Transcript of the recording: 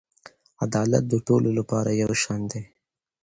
عدالت د ټولو لپاره یو شان دی.